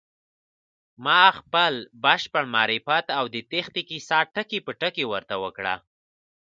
ما خپل بشپړ معرفت او تېښتې کيسه ټکی په ټکی ورته وکړه.